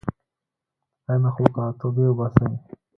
ای مخلوقه توبې وباسئ.